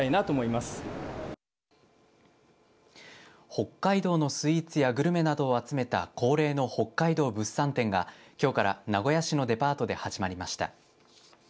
北海道のスイーツやグルメなどを集めた恒例の北海道物産展がきょうから名古屋市のデパートで始まりました。